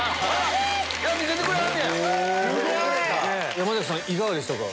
山さんいかがでしたか？